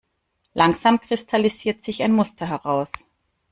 Langsam kristallisiert sich ein Muster heraus.